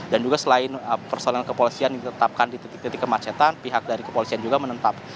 dan juga selain personel kepolisian ditetapkan di titik titik kemacetan pihak dari kepolisian juga menetap